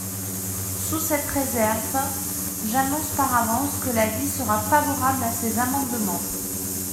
Sous cette réserve, j’annonce par avance que l’avis sera favorable à ces amendements.